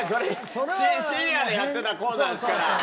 それ深夜でやってたコーナーですから。